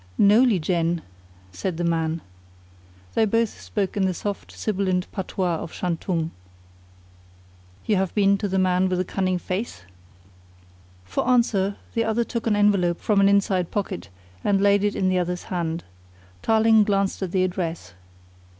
"No, Lieh Jen," said the man. They both spoke in the soft, sibilant patois of Shantung. "You have been to the Man with the Cunning Face?" For answer the other took an envelope from an inside pocket and laid it in the other's hand. Tarling glanced at the address.